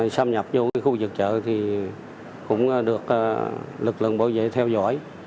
xâm nhập vô khu vực chợ thì cũng được lực lượng bảo vệ theo dõi